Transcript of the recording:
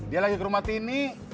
dia lagi ke rumah tini